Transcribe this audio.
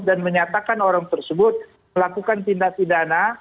dan menyatakan orang tersebut melakukan tindak pidana